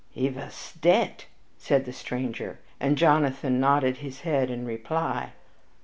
"He vas dead!" said the stranger, and Jonathan nodded his head in reply.